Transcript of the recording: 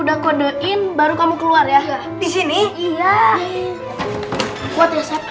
tantang putih dia